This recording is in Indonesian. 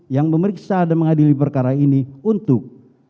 yang memeriksa dan mengadili perkara ini untuk